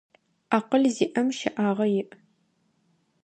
Акъыл зиӏэм щэӏагъэ иӏ.